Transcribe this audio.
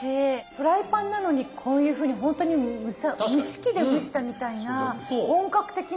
フライパンなのにこういうふうにほんとに蒸し器で蒸したみたいな本格的な。